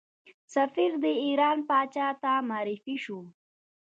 سفیر د ایران پاچا ته معرفي شو.